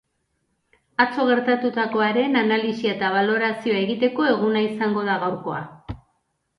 Atzo gertatutakoaren analisia eta balorazioa egiteko eguna izango da gaurkoa.